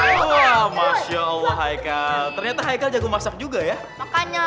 ya masya allah hai ke ternyata haikal jago masak juga ya makanya